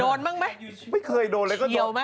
โดนบ้างไหมคิวไหมไม่เคยโดนเลย